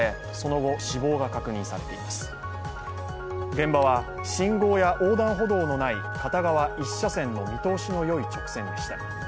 現場は信号や横断歩道のない片側１車線の見通しのいい直線でした。